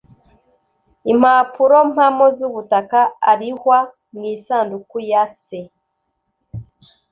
Imapurompamo z Ubutaka arihwa mu Isanduku yase